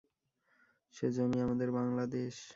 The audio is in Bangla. সে জমি আমাদের বাঙলা দেশ।